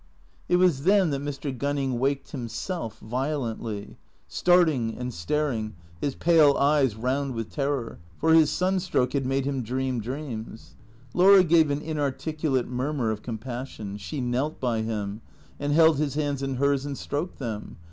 It was then that Mr. Gunning waked himself, violently; starting and staring, his pale eyes round with terror; for his sunstroke had made him dream dreams. Laura gave an inarticulate murmur of compassion. She knelt by him, and held his hands in hers and stroked them.